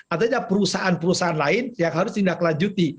artinya perusahaan perusahaan lain yang harus tindak lanjuti